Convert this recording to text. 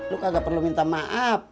lo kagak perlu minta maaf